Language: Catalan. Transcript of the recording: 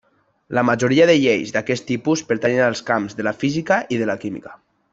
La majoria de lleis d'aquest tipus pertanyen als camps de la física i la química.